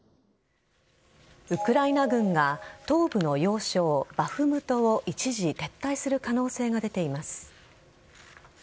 ウクライナ軍が東部の要衝・バフムトを一時撤退する可能性が出ています。